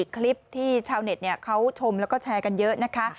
คลิปที่ชาวเน็ตเขาชมแล้วก็แชร์กันเยอะนะคะ